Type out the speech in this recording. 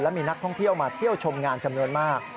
มีนักท่องเที่ยวมาเที่ยวชมงานจำนวนมาก